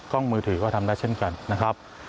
มือถือก็ทำได้เช่นกันนะครับ